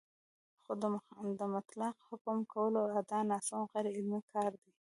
خو د مطلق حکم کولو ادعا ناسم او غیرعلمي کار دی